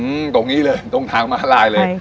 ตรงนี้เลยตรงทางม้าลายเลย